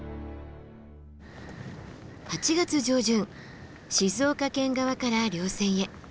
８月上旬静岡県側から稜線へ。